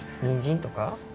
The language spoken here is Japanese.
にんじんとか？